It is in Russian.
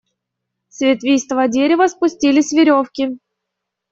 С ветвистого дерева спустились веревки.